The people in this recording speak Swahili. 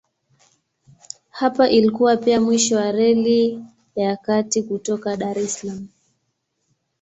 Hapa ilikuwa pia mwisho wa Reli ya Kati kutoka Dar es Salaam.